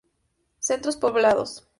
Centros Poblados